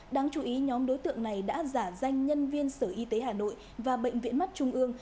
đáng chú ý nhóm đối tượng này đã giả danh nhân viên sở y tế hà nội và bệnh viện mắt trung ương